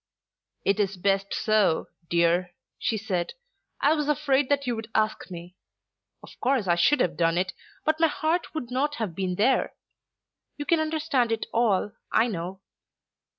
"It is best so, dear," she said. "I was afraid that you would ask me. Of course I should have done it, but my heart would not have been there. You can understand it all, I know."